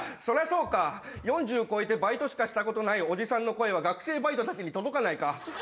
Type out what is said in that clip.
そりゃそうか４０超えてバイトしかしたことないおじさんの声は学生バイトたちに届かないか。